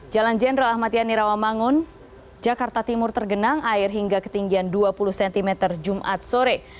jalan jenderal ahmad yani rawamangun jakarta timur tergenang air hingga ketinggian dua puluh cm jumat sore